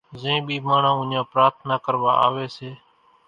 زين ٻي ماڻۿان اُوڃان پرارٿنا ڪروا آوي سي